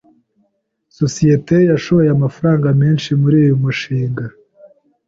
Isosiyete yashoye amafaranga menshi muri uyu mushinga.